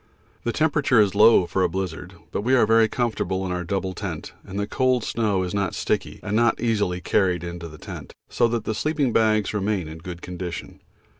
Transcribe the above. The temperature is low for a blizzard, but we are very comfortable in our double tent and the cold snow is not sticky and not easily carried into the tent, so that the sleeping bags remain in good condition.